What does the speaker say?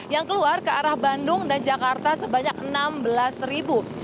yang keluar ke arah bandung dan jakarta sebanyak enam belas ribu